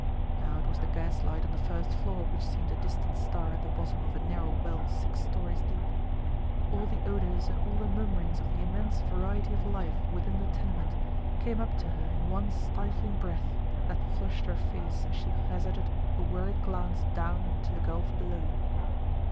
Now it was the gaslight on the first floor which seemed a distant star at the bottom of a narrow well six stories deep. All the odors and all the murmurings of the immense variety of life within the tenement came up to her in one stifling breath that flushed her face as she hazarded a worried glance down into the gulf below.